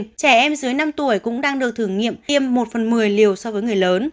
trẻ em dưới năm tuổi cũng đang được thử nghiệm tiêm một phần mười liều so với người lớn